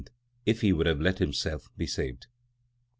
if he would have let himself be saved.